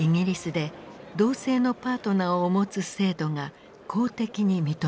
同性のパートナーを持つ制度が公的に認められた。